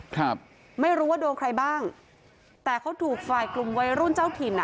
ครับไม่รู้ว่าโดนใครบ้างแต่เขาถูกฝ่ายกลุ่มวัยรุ่นเจ้าถิ่นอ่ะ